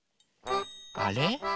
あれ？